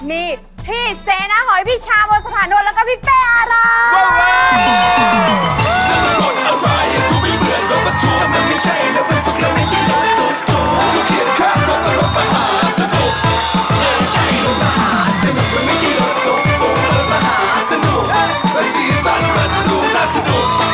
มีพี่เซน้าหอยพี่ชามสถานวนแล้วก็พี่เป๊อร์ร้าย